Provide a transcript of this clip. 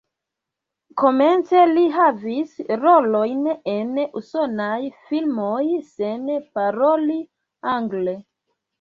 Komence li havis rolojn en usonaj filmoj sen paroli angle.